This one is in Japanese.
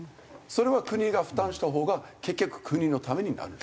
それは国が負担した方が結局国のためになる。